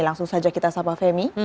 langsung saja kita sapa femi